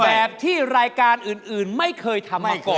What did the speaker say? แบบที่รายการอื่นไม่เคยทำมาก่อน